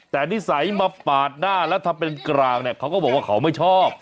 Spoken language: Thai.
แต่นิสัยมาปาดหน้าและทำเป็นกรางเขาบอกว่าเขาไม่ชอบ